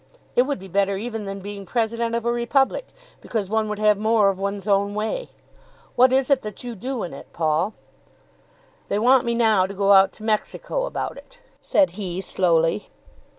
It would be better even than being President of a Republic, because one would have more of one's own way. What is it that you do in it, Paul?" "They want me now to go out to Mexico about it," said he slowly.